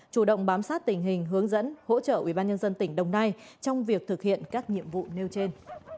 chủ động bám sát tình hình hướng dẫn hỗ trợ ubnd tỉnh đồng nai trong việc thực hiện các nhiệm vụ nêu trên